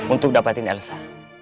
untuk dapetin elsa